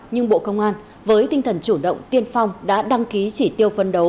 nhưng bộ công an với tinh thần chủ động tiên phong đã đăng ký chỉ tiêu phân đấu